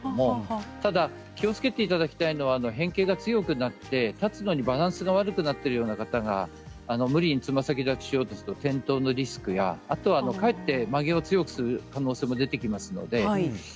ただ気をつけていただきたいのは変形が強くなって立つのにバランスが悪くなっている方が無理につま先立ちしようとすると転倒リスクやかえって、曲げを強くする可能性も出てきます。